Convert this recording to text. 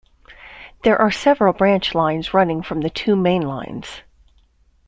There are several branch lines running from the two main lines.